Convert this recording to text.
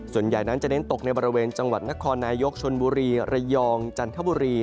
ส่วนใหญ่นั้นจะเน่นตกในประเวนจังหวัดนาคอร์นายกชนบุรีเรยองจันทรัพย์บุรี